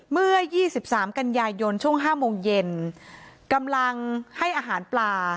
เมื่อยี่สิบสามกันยายยนต์ช่วงห้าโมงเย็นกำลังให้อาหารปลา